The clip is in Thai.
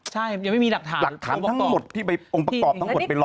หลักฐานทั้งหมดที่ไปองค์ประกอบทั้งหมดไปล็อก